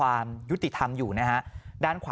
อารมณ์ไม่ดีเพราะว่าอะไรฮะ